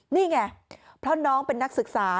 นี่ไงเพราะน้องเป็นนักศึกษา